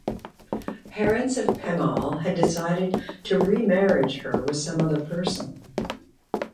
Parents of Pemal had decided to remarriage her with some other person.